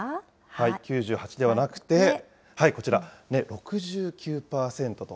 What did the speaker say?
９８ではなくて、はい、こちら、６９％と。